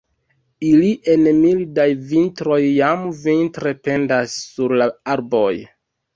Ili en mildaj vintroj jam vintre pendas sur la arboj.